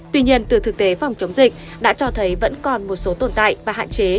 tuy nhiên từ thực tế phòng chống dịch đã cho thấy vẫn còn một số tồn tại và hạn chế